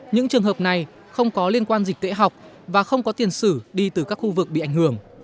những trường hợp này không có liên quan dịch tễ học và không có tiền sử đi từ các khu vực bị ảnh hưởng